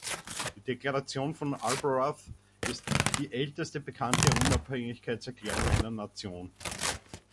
Die Deklaration von Arbroath ist die älteste bekannte Unabhängigkeitserklärung einer Nation.